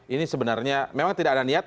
ini sebenarnya memang tidak ada niat